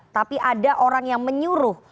tapi ada orang yang menyuruh